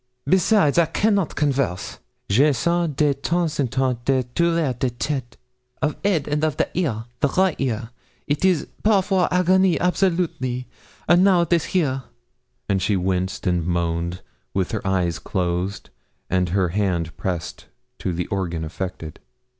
'Besides, I cannot converse; je sens de temps en temps des douleurs de tête of head, and of the ear, the right ear, it is parfois agony absolutely, and now it is here.' And she winced and moaned, with her eyes closed and her hand pressed to the organ affected.